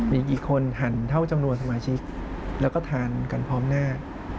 มีกี่คนหั่นเท่าจำนวนสมาชิกแล้วก็ทานกันพร้อมหน้า